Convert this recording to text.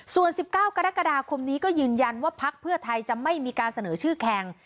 ส่วน๑๙กรกฎาคมนี้ก็ยืนยันว่าพักเพื่อไทยจะไม่มีการเสนอชื่อแข่ง